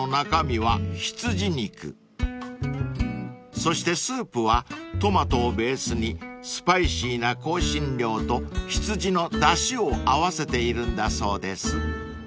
［そしてスープはトマトをベースにスパイシーな香辛料と羊のだしを合わせているんだそうです］